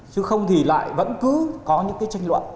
chứ không thì lại vẫn cứ có những cái tranh luận